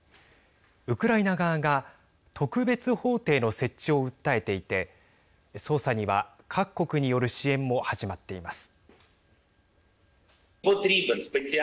ウクライナ側が特別法廷の設置を訴えていて捜査には各国による支援も始まっています。